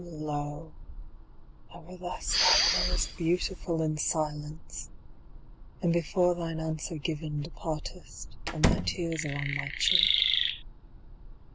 Lo! ever thus thou growest beautiful In silence, then before thine answer given Departest, and thy tears are on my cheek.